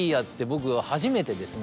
僕初めてですね。